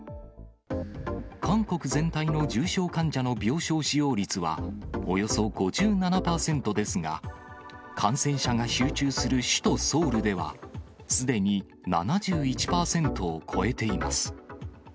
韓国全体の重症患者の病床使用率はおよそ５７％ですが、感染者が集中する首都ソウルでは、すでに７１％を超えています。